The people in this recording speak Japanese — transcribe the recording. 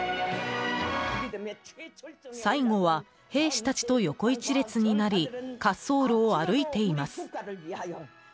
最後は兵士たちと横一列になり滑走路を歩いています。